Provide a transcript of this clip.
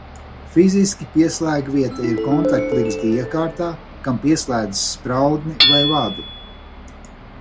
Fiziski pieslēgvieta ir kontaktligzda iekārtā, kam pieslēdz spraudni vai vadu.